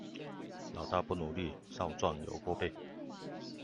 老大不努力，少壯有鍋背